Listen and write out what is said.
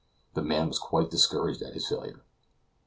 The man was quite discouraged at his failure.